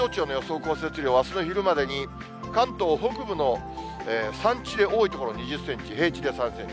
降雪量は、あすの昼までに、関東北部の山地で、多い所２０センチ、平地で３センチ。